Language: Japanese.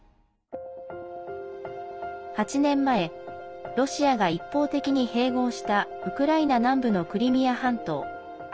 ８年前ロシアが一方的に併合したウクライナ南部のクリミア半島。